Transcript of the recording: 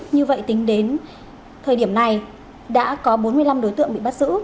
như vậy tính đến thời điểm này đã có bốn mươi năm đối tượng bị bắt giữ